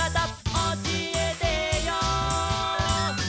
「おしえてよ」